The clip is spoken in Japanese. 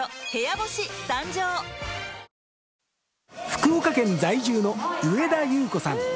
福岡県在住の上田祐有子さん